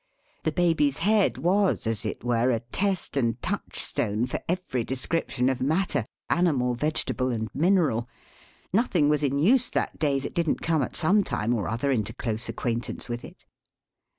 The Baby's head was, as it were, a test and touchstone for every description of matter, animal, vegetable, and mineral. Nothing was in use that day that didn't come, at some time or other, into close acquaintance with it.